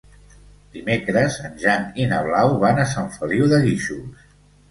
Dimecres en Jan i na Blau van a Sant Feliu de Guíxols.